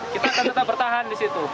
kita akan tetap bertahan di situ